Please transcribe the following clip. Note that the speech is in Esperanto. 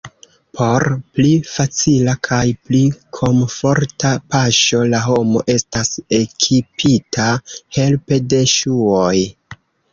Por pli facila kaj pli komforta paŝo la homo estas ekipita helpe de ŝuoj.